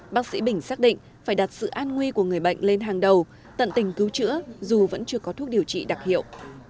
bác sĩ bình xác định phải đặt sự an nguy của người bệnh lên hàng đầu tận tình cứu chữa dù vẫn chưa có thuốc điều trị đặc hiệu